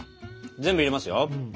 全部入れますよ。